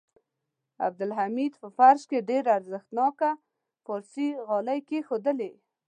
عبدالحمید په فرش کې ډېر ارزښتناکه پارسي غالۍ کېښودلې.